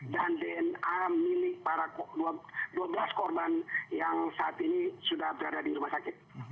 dan dna milik para dua belas korban yang saat ini sudah berada di rumah sakit